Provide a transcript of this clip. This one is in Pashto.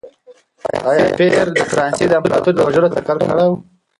ایا پییر د فرانسې د امپراتور د وژلو تکل کړی و؟